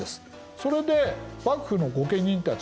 それで幕府の御家人たちに与えた。